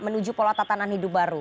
menuju pola tatanan hidup baru